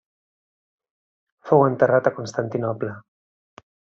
Fou enterrat a Constantinoble.